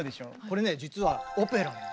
これね実はオペラなの。